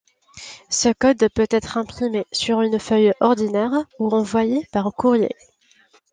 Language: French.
Ce code peut être imprimé sur une feuille ordinaire ou envoyé par courrier.